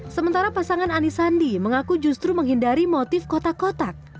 sementara pasangan anisandi mengaku justru menghindari motif kotak kotak